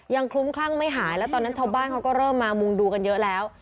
คลุ้มคลั่งไม่หายแล้วตอนนั้นชาวบ้านเขาก็เริ่มมามุงดูกันเยอะแล้ว